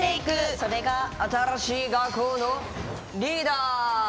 それが新しい学校のリーダーズ！